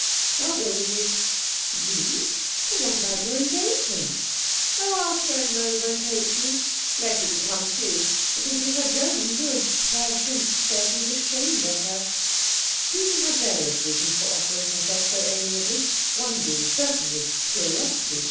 "I'll go with you." "You? But what about your engagements?" "Oh, I'll throw them over, and take you. Letty can come too. It will do her German good. Herr Schumpf says he's ashamed of her." Susie had various reasons for offering herself so amiably, one being certainly curiosity.